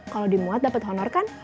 kalau dimuat dapat honor kan